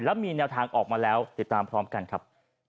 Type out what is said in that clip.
แล้วมีแนวทางออกมาแล้วติดตามพร้อมกันครับ